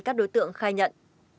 các đối tượng khai nhận